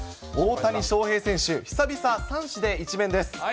大谷翔平選手、久々、３紙で１面です。